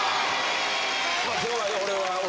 今日はね俺は。